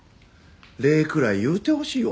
礼くらい言うてほしいわ。